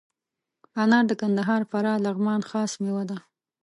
انار د کندهار، فراه، لغمان خاص میوه ده.